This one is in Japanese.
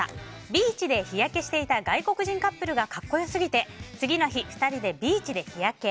ビーチで日焼けしていた外国人カップルが格好良すぎて次の日、２人でビーチで日焼け。